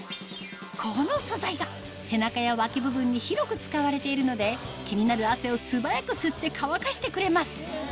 ・この素材が背中や脇部分に広く使われているので気になる汗を素早く吸って乾かしてくれます